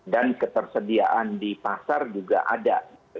dan ketersediaan di pasar juga ada